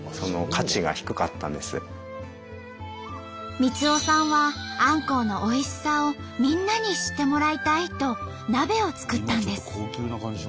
光男さんはあんこうのおいしさをみんなに知ってもらいたいと鍋を作ったんです。